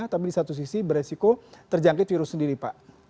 tapi di satu sisi beresiko terjangkit virus sendiri pak